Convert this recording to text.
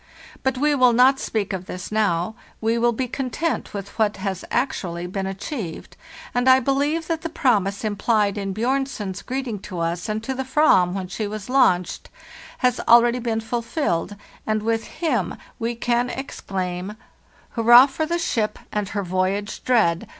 But we will not speak of this now; we will be content with what has hitherto been achieved, and I believe that the promise implied in Bjornson's greeting to us and to the fram, when she was launched, has already been fulfilled, and with him we can exclaim: "«« Furrah for the ship and her voyage dread!